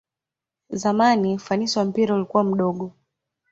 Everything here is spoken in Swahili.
zamani ufanisi wa mpira ulikua mdogo